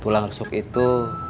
tulang rusuk itu